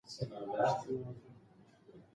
هغه تل په خپلې خاموشۍ کې یوه نړۍ مانا لري.